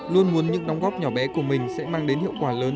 luôn muốn những đóng góp nhỏ bé của mình sẽ mang đến hiệu quả lớn